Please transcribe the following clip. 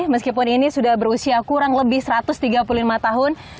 meskipun ini sudah berusia kurang lebih satu ratus tiga puluh lima tahun